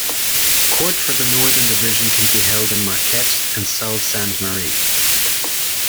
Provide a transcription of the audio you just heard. Court for the Northern Division can be held in Marquette and Sault Sainte Marie.